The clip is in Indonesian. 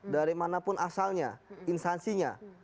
dari mana pun asalnya instansinya